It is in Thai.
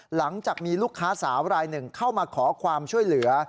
หลังจากมีลูกค้าสาวรายหนึ่งเข้ามาขอความช่วยเหลือ